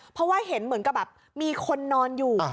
เพราะว่าเห็นเหมือนกับแบบมีคนนอนอยู่